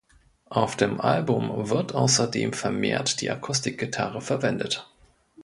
Auf dem Album wird außerdem vermehrt die Akustikgitarre verwendet.